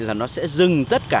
là nó sẽ dừng tất cả